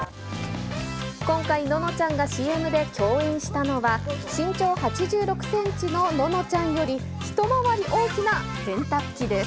今回、ののちゃんがＣＭで共演したのは、身長８６センチのののちゃんより、一回り大きな洗濯機です。